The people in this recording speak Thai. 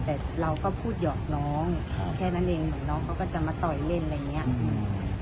แต่เราก็พูดหยอกน้องแค่นั้นเองเหมือนน้องเขาก็จะมาต่อยเล่นอะไรอย่างนี้